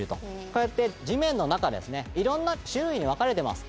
こうやって地面の中いろんな種類に分かれてます。